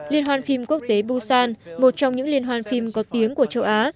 liên hoan phim quốc tế busan một trong những liên hoan phim có tiếng của châu á